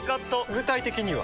具体的には？